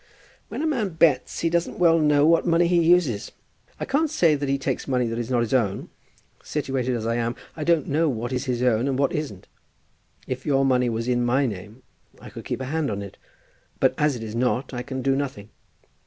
"When a man bets he doesn't well know what money he uses. I can't say that he takes money that is not his own. Situated as I am, I don't know what is his own and what isn't. If your money was in my name I could keep a hand on it; but as it is not I can do nothing.